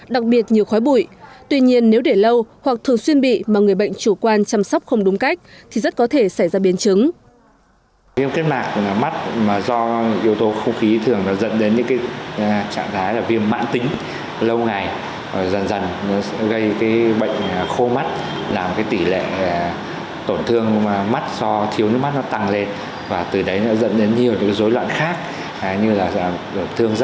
đặc biệt như khói bụi tuy nhiên nếu để lâu hoặc thường xuyên bị mà người bệnh chủ quan chăm sóc không đúng cách thì rất có thể xảy ra biến chứng